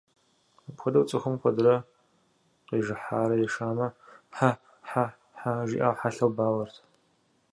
Апхуэдэу, цӀыхум куэдрэ къижыхьарэ ешамэ «хьэ-хьэ-хьэ» жиӀэу хьэлъэу бауэрт.